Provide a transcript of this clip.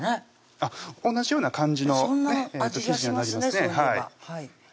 あっ同じような感じの生地にはなりますね